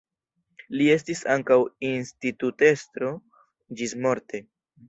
Li estis ankaŭ institutestro ĝismorte.